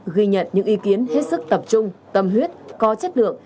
ghi nhận những ý kiến hết sức tập trung tâm huyết có chất lượng